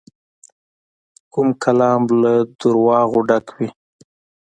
کوږ کلام له دروغو ډک وي